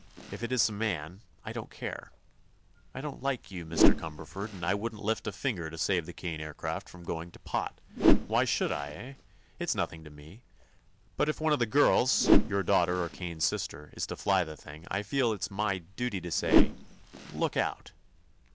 If it's a man, I don't care. I don't like you, Mr. Cumberford, and I wouldn't lift a finger to save the Kane Aircraft from going to pot. Why should I—eh? It's nothing to me. But if one of those girls—your daughter or Kane's sister, is to fly the thing, I feel it my—er—duty to say: look out!"